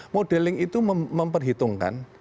modeling itu memperhitungkan